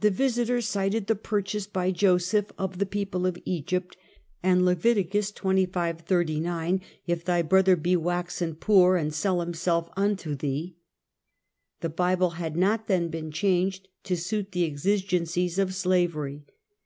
The Visiter cited the purchase by Joseph of the peo ple of Egypt, and Leviticus xxv, xxxix :" If thy brother be waxen poor and sell himself unto thee." The Bible had not then been changed to suit the exig encies of slavery.